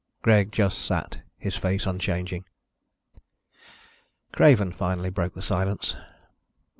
Greg just sat, his face unchanging. Craven finally broke the silence.